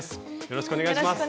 よろしくお願いします。